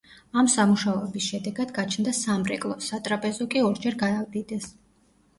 ამ სამუშაოების შედეგად გაჩნდა სამრეკლო, სატრაპეზო კი ორჯერ გაადიდეს.